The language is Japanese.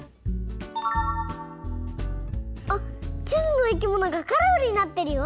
あっちずのいきものがカラフルになってるよ。